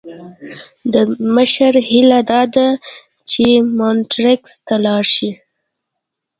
د مشر هیله داده چې مونټریکس ته ولاړ شي.